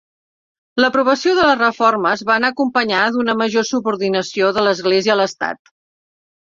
L'aprovació de les reformes va anar acompanyada d'una major subordinació de l'Església a l'estat.